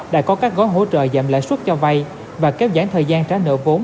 đã có các gói hỗ trợ giảm lãi suất cho vay và kéo giảm thời gian trả nợ vốn